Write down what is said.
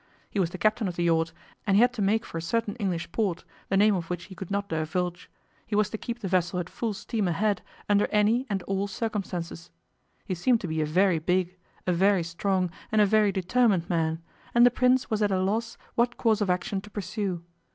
He was the captain of the yacht, and he had to make for a certain English port, the name of which he could not divulge: he was to keep the vessel at full steam ahead under any and all circumstances. He seemed to be a very big, a very strong, and a very determined man, and the Prince was at a loss what course of action to pursue.